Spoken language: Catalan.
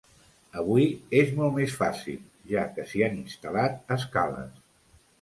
Avui és molt més fàcil, ja que s'hi han instal·lat escales.